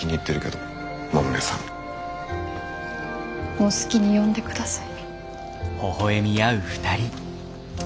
もう好きに呼んでください。